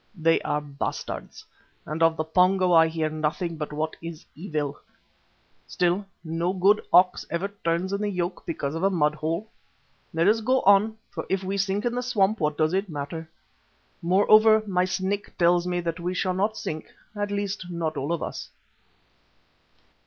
They are bastards, and of the Pongo I hear nothing but what is evil. Still, no good ox ever turns in the yoke because of a mud hole. Let us go on, for if we sink in the swamp what does it matter? Moreover, my Snake tells me that we shall not sink, at least not all of us."